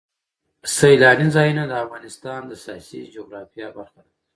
سیلانی ځایونه د افغانستان د سیاسي جغرافیه برخه ده.